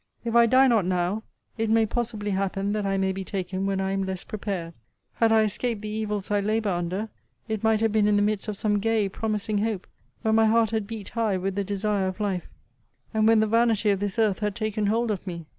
'If I die not now, it may possibly happen that I may be taken when I am less prepared. Had I escaped the evils I labour under, it might have been in the midst of some gay promising hope; when my heart had beat high with the desire of life; and when the vanity of this earth had taken hold of me.